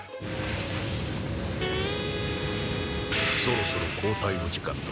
そろそろ交代の時間だ。